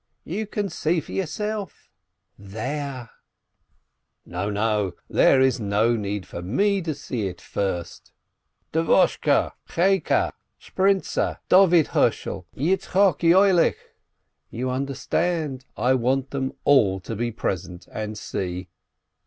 "You can see for yourself, there —" "No, no, there is no need for me to see it first. Dvoshke, Cheike, Shprintze, Dovid Hershel, Yitzchok Yoelik ! You understand, I want them all to be present and see."